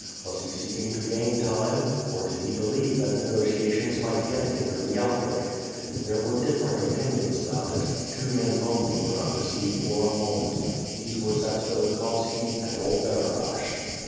Was he seeking to gain time? or did he believe that negotiations might yet hinder the out break? There were different opinions about it — two men only were not deceived for a moment. These were Zatsvilik hovski and old Bara'bash.